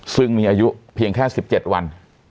ซึ่งมีอายุเพียงแค่๑๗วัน